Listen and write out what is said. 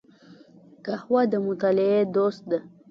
قهوه د مطالعې دوست ده